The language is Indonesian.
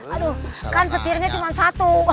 aduh kan setirnya cuma satu